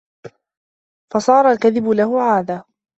فَصَارَ الْكَذِبُ لَهُ عَادَةً